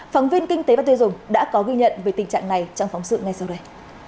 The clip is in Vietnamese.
phóng viên kinh tế và tiêu dùng đã có ghi nhận về tình trạng này trong phóng sự ngay sau đây